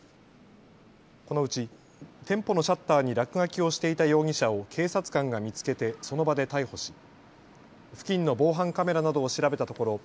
このうち店舗のシャッターに落書きをしていた容疑者を警察官が見つけてその場で逮捕し付近の防犯カメラなどを調べたところ